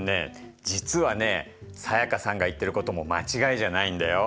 実はね才加さんが言ってることも間違いじゃないんだよ。